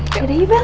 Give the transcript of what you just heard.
gak ada ibel